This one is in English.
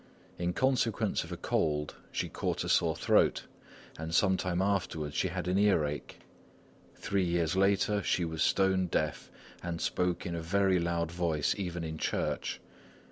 In consequence of a cold, she caught a sore throat; and some time afterward she had an earache. Three years later she was stone deaf, and spoke in a very loud voice even in church.